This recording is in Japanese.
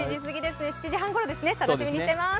７時半ごろですね、楽しみにしています。